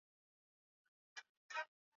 Wanajeshi wasiozidi mia tano wameidhinishwa